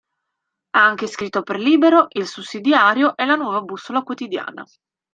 Ha anche scritto per "Libero", "Il Sussidiario" e "La Nuova Bussola Quotidiana".